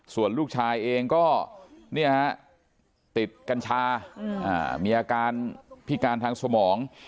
ส่วนลูกชายเองก็ติดกัญชามีอาการพิการทางสมอง